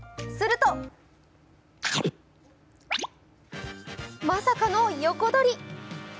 するとまさかの横取り。